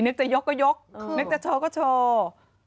จะยกก็ยกนึกจะโชว์ก็โชว์